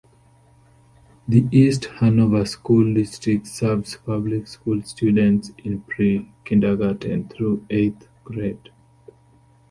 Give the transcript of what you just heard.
The East Hanover School District serves public school students in pre-kindergarten through eighth grade.